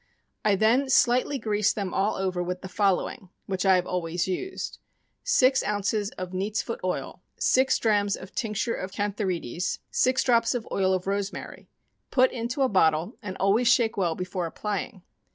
I then slightly grease them all over with the following, which I have always used: Six ounces of neat's foot oil; six drachms of tincture of cantharides; six drops of oil of rosemary; put into a bottle, and always shake well before applying.